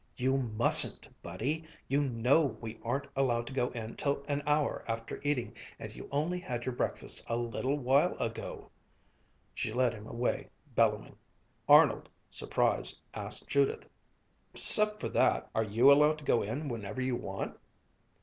"You mustn't, Buddy! You know we aren't allowed to go in till an hour after eating and you only had your breakfast a little while ago!" She led him away bellowing. Arnold, surprised, asked Judith, "'Cept for that, are you allowed to go in whenever you want?"